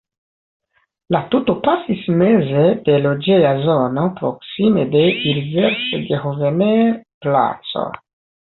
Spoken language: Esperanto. La tuto pasis meze de loĝeja zono proksime de Ilversgehovener-placo.